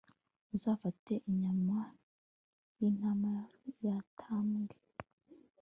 uzafate inyama y intama yatambwe